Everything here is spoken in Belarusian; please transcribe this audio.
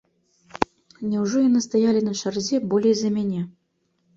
Няўжо яны стаялі на чарзе болей за мяне?